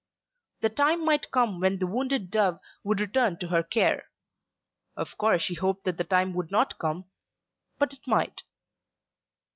The time might come when the wounded dove would return to her care. Of course she hoped that the time would not come; but it might.